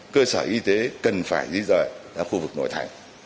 cơ sở y tế cần phải di rời ra khu vực nội thành